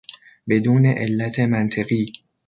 بدون علت منطقی